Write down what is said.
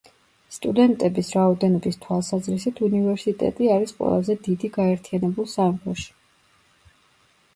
სტუდენტების რაოდენობის თვალსაზრისით უნივერსიტეტი არის ყველაზე დიდი გაერთიანებულ სამეფოში.